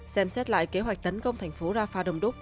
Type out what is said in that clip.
xem xét lại kế hoạch tấn công thành phố rafah đồng đúc